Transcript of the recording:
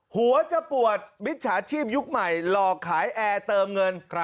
หัวจะปวดมิจฉาชีพยุคใหม่หลอกขายแอร์เติมเงิน